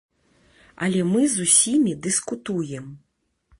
Але мы з усімі дыскутуем.